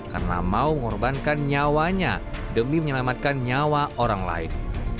karena mau mengorbankan nyawanya demi menyelamatkan nyawa orang lain